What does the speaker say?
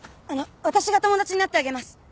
あの私が友達になってあげます！